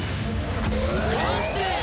完成！